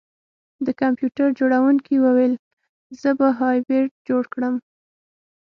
د کمپیوټر جوړونکي وویل زه به هایبریډ جوړ کړم